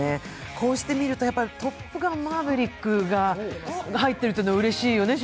こうして見るとやっぱり「トップガンマーヴェリック」が入ってるのはうれしいよね。